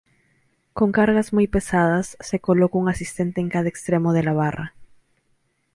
Con cargas muy pesadas, se coloca un asistente en cada extremo de la barra.